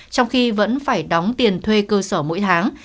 trong khi vẫn phải đóng tiền thuê cơ sở mỗi tháng